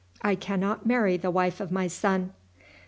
I can not marry the wife of my son."